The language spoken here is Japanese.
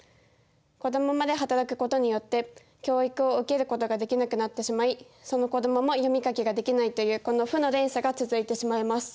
子どもまで働くことによって教育を受けることができなくなってしまいその子どもも読み書きができないというこの負の連鎖が続いてしまいます。